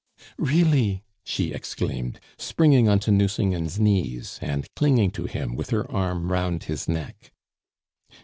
"Really!" she exclaimed, springing on to Nucingen's knees, and clinging to him with her arm round his neck.